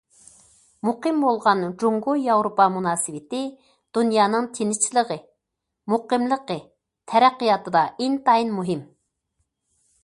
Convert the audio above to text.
مۇقىم بولغان جۇڭگو- ياۋروپا مۇناسىۋىتى دۇنيانىڭ تىنچلىقى، مۇقىملىقى، تەرەققىياتىدا ئىنتايىن مۇھىم.